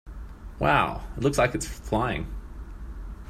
Wow! It looks like it is flying!